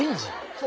そう。